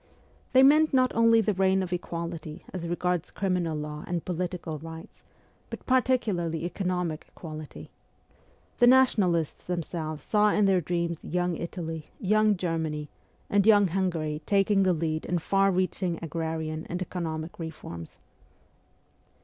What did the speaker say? They meant not only the reign of equality as regards criminal law and political rights, but particularly economic equality. The nationalists themselves saw in their dreams Young Italy, Your g Germany, and Young Hungary taking the lead in far reaching agrarian and economic reforms.